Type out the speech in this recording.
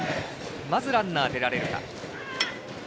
まずランナー出られるか。